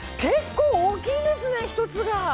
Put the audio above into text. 結構大きいんですね、１つが。